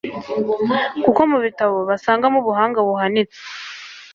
kuko mu bitabo basangamo ubuhanga buhanitse